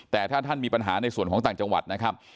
แต่ถ้าท่านมีปัญหาในส่วนของต่างจังหวัดนะครับ